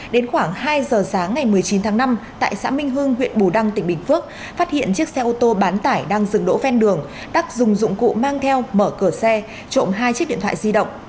đến khoảng hai giờ sáng ngày một mươi chín tháng năm tại xã minh hưng huyện bù đăng tỉnh bình phước phát hiện chiếc xe ô tô bán tải đang dừng đỗ ven đường đắc dùng dụng cụ mang theo mở cửa xe trộm hai chiếc điện thoại di động